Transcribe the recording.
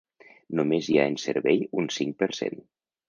Només n’hi ha en servei un cinc per cent.